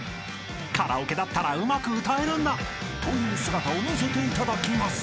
［カラオケだったらうまく歌えるんだという姿を見せていただきます］